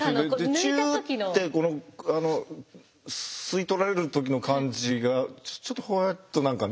チュッて吸い取られる時の感じがちょっとふわっと何かね